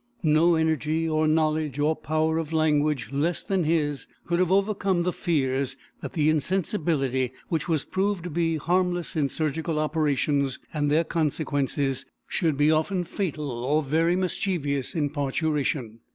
No energy, or knowledge, or power of language less than his could have overcome the fears that the insensibility, which was proved to be harmless in surgical operations and their consequences, should be often fatal or very mischievous in parturition.